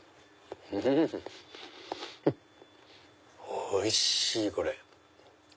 おいしいこれ。